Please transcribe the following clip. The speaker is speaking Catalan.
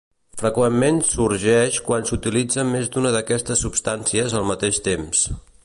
Freqüentment sorgeix quan s'utilitza més d'una d'aquestes substàncies al mateix temps.